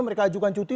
mereka ajukan cuti